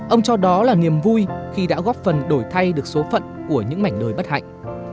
ông cho đó là niềm vui khi đã góp phần đổi thay được số phận của những mảnh đời bất hạnh